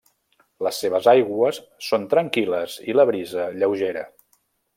Les seves aigües són tranquil·les i la brisa lleugera.